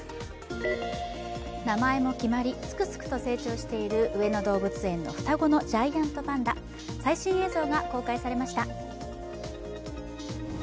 名前も決まり、すくすくと成長している上野動物園の双子のジャイアントパンダ、最新映像が公開されました。